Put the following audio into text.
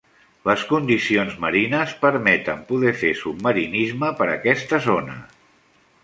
Les condicions marines permeten poder fer submarinisme per aquesta zona.